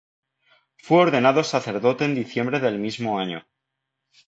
Fue ordenado sacerdote en diciembre del mismo año.